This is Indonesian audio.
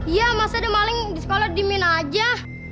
iya masa ada maling di sekolah di mina aja